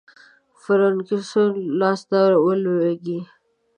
فرنګیانو لاسته ولوېږي.